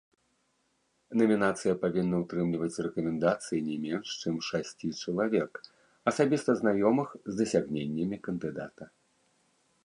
Намінацыя павінна ўтрымліваць рэкамендацыі не менш чым шасці чалавек, асабіста знаёмых з дасягненнямі кандыдата.